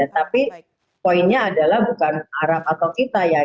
tapi poinnya adalah bukan arab atau kita ya